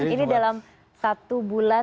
ini dalam satu bulan begitu dikatakan